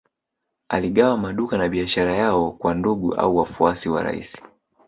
Aligawa maduka na biashara yao kwa ndugu au wafuasi wa rais